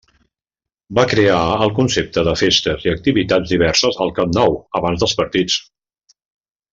Va crear el concepte de festes i activitats diverses al Camp Nou abans dels partits.